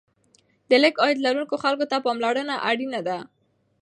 د لږ عاید لرونکو خلکو ته پاملرنه اړینه ده.